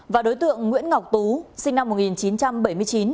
và đối tượng nguyễn ngọc tú sinh năm một nghìn chín trăm bảy mươi chín